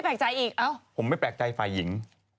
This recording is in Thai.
ผมไม่แปลกใจฝ่ายหญิง